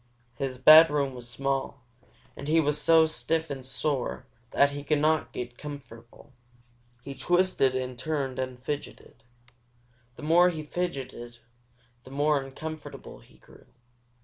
His bedroom was small, and he was so stiff and sore that he could not get comfortable. He twisted and turned and fidgeted. The more he fidgeted, the more uncomfortable he grew.